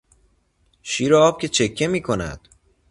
شیر آب که چکه میکند